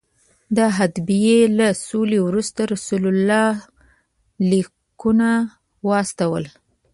د حدیبیې له سولې وروسته رسول الله لیکونه واستول.